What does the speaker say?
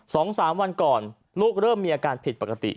สองสามวันก่อนลูกเริ่มมีอาการผิดปกติ